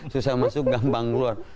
susah masuk gampang keluar